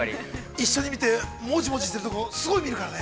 ◆一緒に見て、もじもじしているところ、すごい見るからね。